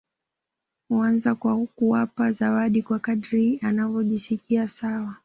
Huanza kwa kuwapa zawadi kwa kadri anavyojisikia sawa